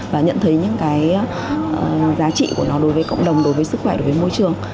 và nhận thấy những cái giá trị của nó đối với cộng đồng đối với sức khỏe đối với môi trường